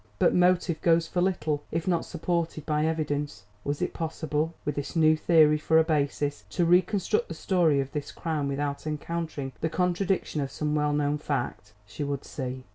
But motive goes for little if not supported by evidence. Was it possible, with this new theory for a basis, to reconstruct the story of this crime without encountering the contradiction of some well known fact? She would see.